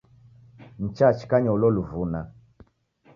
Nichachikanya ulo luvuna